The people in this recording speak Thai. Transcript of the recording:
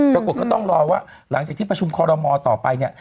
ก็ต้องรอว่าหลังจากที่ประชุมคอรมอต่อไปเนี่ย